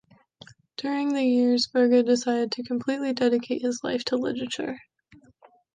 During the years Verga decided to completely dedicate his life to literature.